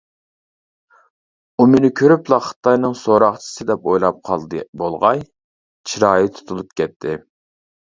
ئۇ مېنى كۆرۈپلا خىتاينىڭ سوراقچىسى دەپ ئويلاپ قالدى بولغاي، چىرايى تۇتۇلۇپ كەتتى.